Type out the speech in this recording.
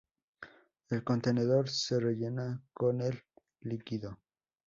El contenedor se rellena con el líquido.